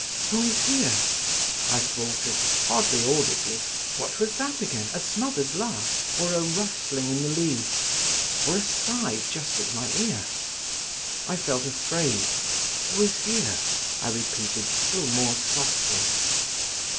"Who is here?" I faltered, hardly audibly. What was that again, a smothered laugh … or a rustling in the leaves … or a sigh just at my ear? I felt afraid … "Who is here?" I repeated still more softly.